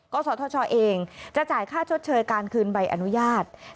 ศธชเองจะจ่ายค่าชดเชยการคืนใบอนุญาต